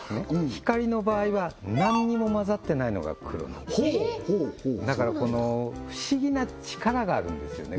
光の場合は何も混ざってないのが黒なんですだから不思議な力があるんですよね